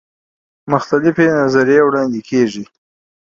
مختلفي نظریې وړاندي کړي دي.